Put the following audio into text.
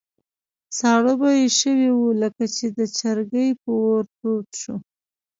ساړه به یې شوي وو، لکه چې د چرګۍ په اور تود شو.